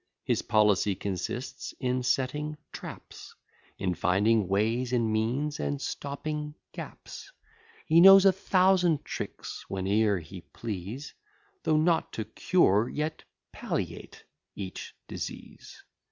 His policy consists in setting traps, In finding ways and means, and stopping gaps; He knows a thousand tricks whene'er he please, Though not to cure, yet palliate each disease.